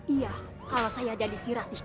iya kalau saya jadi si ratih juga